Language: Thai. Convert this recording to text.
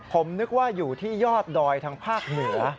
ผมนึกว่าอยู่ที่ยอดดอยทางภาคเหนือ